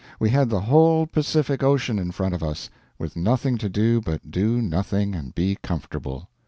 We had the whole Pacific Ocean in front of us, with nothing to do but do nothing and be comfortable.